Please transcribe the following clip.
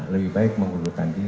lebih baik mengundurkan diri